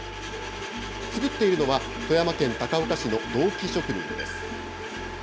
作っているのは富山県高岡市の銅器職人です。